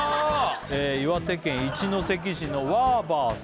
岩手県一関市のわーばーさん